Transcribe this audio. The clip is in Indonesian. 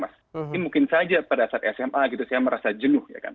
ini mungkin saja pada saat sma saya merasa jenuh